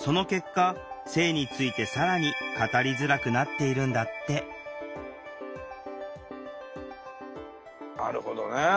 その結果性について更に語りづらくなっているんだってなるほどね。